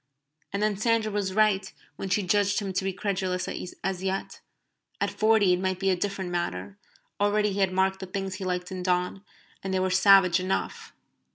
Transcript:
And then Sandra was right when she judged him to be credulous as yet. At forty it might be a different matter. Already he had marked the things he liked in Donne, and they were savage enough.